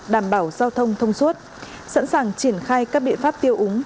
đảm bảo giao thông thông suốt sẵn sàng triển khai các biện pháp tiêu úng